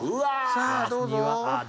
さあどうぞ。